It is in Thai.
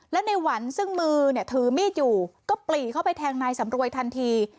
และในหวันซึ่งมือเนี่ยถือมีดอยู่ก็ปลีเข้าไปแทงนายสำรวยทันที